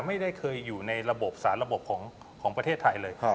ไม่ได้เคยอยู่ในระบบสารระบบของประเทศไทยเลย